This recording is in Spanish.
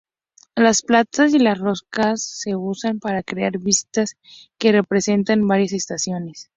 Las plantas y las rocas se usan para crear vistas que representan varias estaciones.